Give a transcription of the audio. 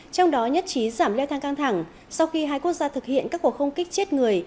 trong đó nhất trí giảm leo thang căng thẳng sau khi hai quốc gia thực hiện các cuộc không kích chết người